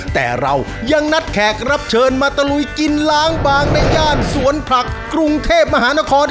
แต่เรายังนัดแขกรับเชิญมาตะลุยกินล้างบางในย่านสวนผักกรุงเทพมหานคร